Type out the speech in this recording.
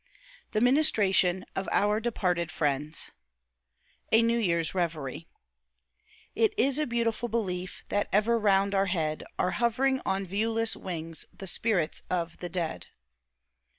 THE MINISTRATION OF OUR DEPARTED FRIENDS A NEW YEAR'S REVERIE "It is a beautiful belief, That ever round our head Are hovering on viewless wings The spirits of the dead."